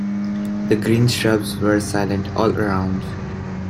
The green shrubs were silent all around.